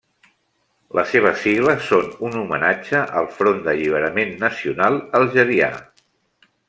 Les seves sigles són un homenatge al Front d'Alliberament Nacional algerià.